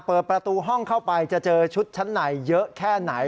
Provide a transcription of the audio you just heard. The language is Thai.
เปิดประตูห้องเข้าไปจะเจอชุดชั้นในเยอะแค่ไหน